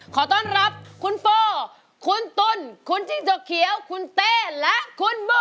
ขอต้อนรับคุณโฟคุณตุ้นคุณจิ้งจกเขียวคุณเต้และคุณโบ